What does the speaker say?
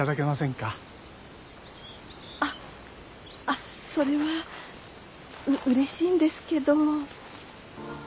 あっそれはうれしいんですけど。